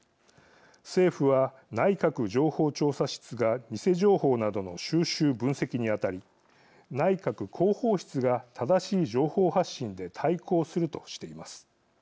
政府は内閣情報調査室が偽情報などの収集分析に当たり内閣広報室が正しい情報発信で対抗するとしています。